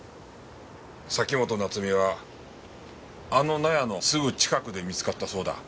崎本菜津美はあの納屋のすぐ近くで見つかったそうだ。